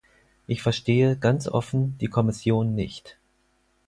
Ich verstehe ganz offen die Kommission nicht.